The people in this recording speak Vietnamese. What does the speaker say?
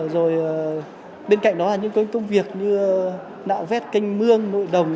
rồi bên cạnh đó là những công việc như nạo vét canh mương nội đồng